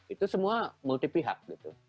itu semua multi pihak gitu